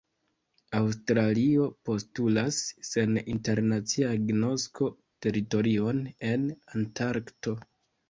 Aŭstralio postulas, sen internacia agnosko, teritorion en Antarkto.